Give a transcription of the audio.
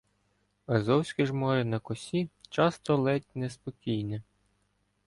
Азовське ж море на косі часто ледь неспокійне